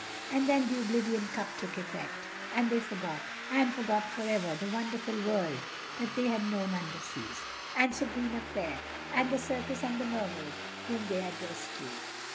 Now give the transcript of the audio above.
And then the oblivion cup took effect—and they forgot, and forgot forever, the wonderful world that they had known underseas, and Sabrina fair and the circus and the Mermaid whom they had rescued.